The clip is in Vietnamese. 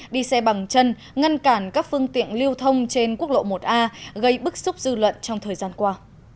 đi xe bằng chân ngăn cản các phương tiện lưu thông trên quốc lộ một a gây bức xúc dư luận trong thời gian qua